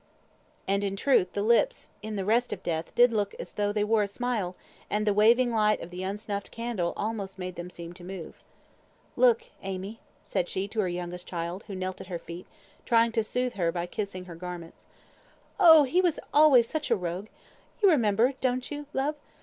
And, in truth, the lips, in the rest of death, did look as though they wore a smile, and the waving light of the unsnuffed candle almost made them seem to move. "Look, Amy," said she to her youngest child, who knelt at her feet, trying to soothe her, by kissing her garments. "Oh, he was always a rogue! You remember, don't you, love?